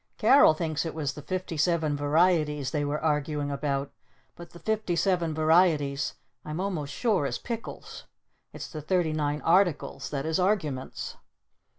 Carol thinks it was the "Fifty Seven Varieties" they were arguing about. But the "Fifty Seven Varieties" I'm almost sure is Pickles. It's the "Thirty Nine Articles" that is Arguments!